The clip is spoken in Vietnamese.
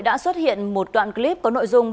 đã xuất hiện một đoạn clip có nội dung